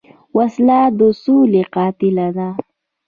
وسله د سولې قاتله ده